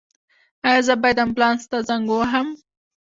ایا زه باید امبولانس ته زنګ ووهم؟